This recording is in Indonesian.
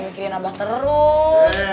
mikirin abah terus